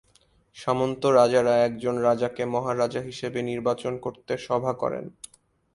সামন্ত রাজারা একজন রাজাকে মহারাজা হিসেবে নির্বাচন করতে সভা করেন।